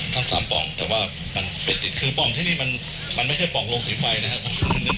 ทั้งสามป่องแต่ว่ามันไปติดคือปล่องที่นี่มันไม่ใช่ปล่องโรงสีไฟนะครับ